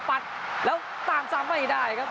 ปัดแล้วตามซ้ำไม่ได้ครับ